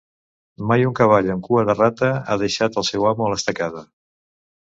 Mai un cavall amb cua de rata ha deixat al seu amo a l'estacada.